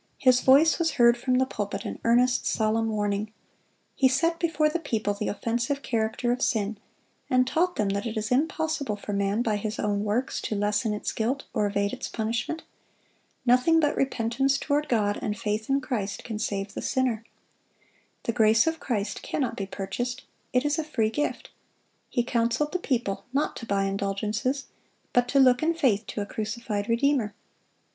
His voice was heard from the pulpit in earnest, solemn warning. He set before the people the offensive character of sin, and taught them that it is impossible for man, by his own works, to lessen its guilt or evade its punishment. Nothing but repentance toward God and faith in Christ can save the sinner. The grace of Christ cannot be purchased; it is a free gift. He counseled the people not to buy indulgences, but to look in faith to a crucified Redeemer.